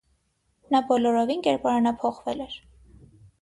Նա բոլորովին կերպարանափոխվել էր.